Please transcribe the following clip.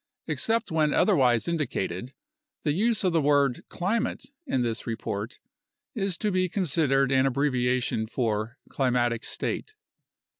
Except when otherwise indicated, the use of the word "climate" in this report is to be considered an abbreviation for climatic state.